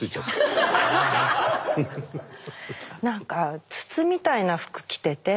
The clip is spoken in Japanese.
何か筒みたいな服着てて。